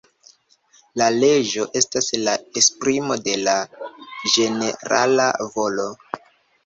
La leĝo estas la esprimo de la ĝenerala volo.